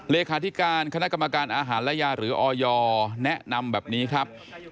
เลขาธิการคณะกรรมการอาหารและยาหรือออยแนะนำแบบนี้ครับ